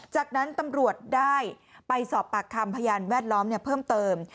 จากนั้นตำรวจได้ไปสอบปากคำพยานแวดล้อมเพิ่มเติม